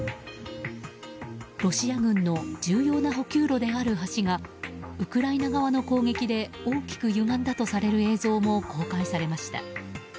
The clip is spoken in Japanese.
ロシア軍の重要な補給路である橋がウクライナ側の攻撃で大きくゆがんだとされる映像も公開されました。